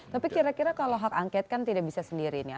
tapi kira kira kalau hak angket kan tidak bisa sendiri ini